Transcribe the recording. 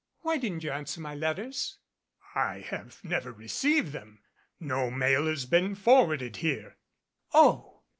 "Why didn't you answer my letters?" "I have never received them. No mail has been for warded here." "Oh!"